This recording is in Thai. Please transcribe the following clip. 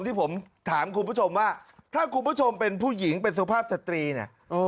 ที่ผมถามคุณผู้ชมว่าถ้าคุณผู้ชมเป็นผู้หญิงเป็นสุภาพสตรีเนี่ย